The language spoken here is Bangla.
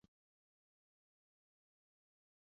ওহ, ডলি!